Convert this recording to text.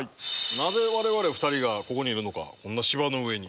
なぜ我々２人がここにいるのかこんな芝の上に。